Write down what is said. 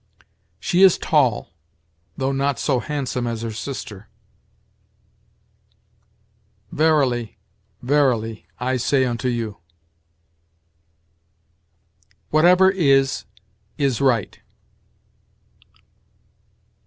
"She is tall, though not so handsome as her sister." "Verily, verily, I say unto you." "Whatever is, is right."